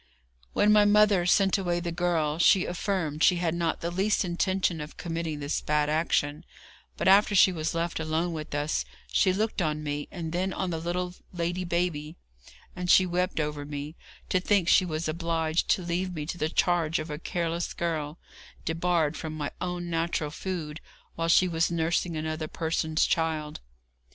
When my mother sent away the girl, she affirmed she had not the least intention of committing this bad action; but after she was left alone with us, she looked on me, and then on the little lady baby, and she wept over me, to think she was obliged to leave me to the charge of a careless girl, debarred from my own natural food, while she was nursing another person's child.